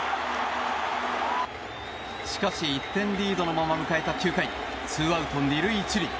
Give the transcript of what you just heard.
しかし、１点リードのまま迎えた９回ツーアウト２塁１塁。